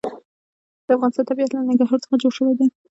د افغانستان طبیعت له ننګرهار څخه جوړ شوی دی.